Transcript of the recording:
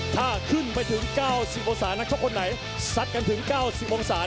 ถ้าขึ้นไปถึง๙๐องศานักชกคนไหนซัดกันถึง๙๐องศา